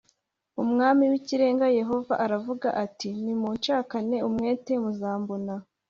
Umwami w’ Ikirenga Yehova aravuga ati nimunshakana umwete muzambona